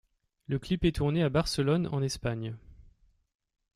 Le clip est tournée à Barcelone en Espagne.